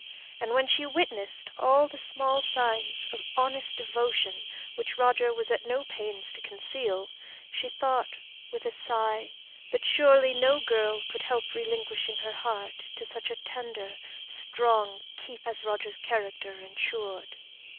And when she witnessed all the small signs of honest devotion which Roger was at no pains to conceal, she thought, with a sigh, that surely no girl could help relinquishing her heart to such tender, strong keeping as Roger's character ensured.